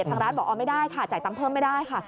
ทางร้านบอกอ๋อไม่ได้ค่ะจ่ายตังค์เพิ่มไม่ได้ค่ะ